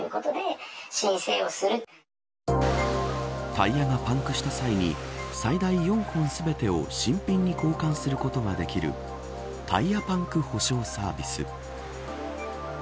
タイヤがパンクした際に最大４本全てを新品に交換することができるタイヤパンク保証サービス。